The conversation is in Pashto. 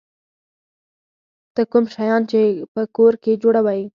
ته کوم شیان په کور کې جوړوی؟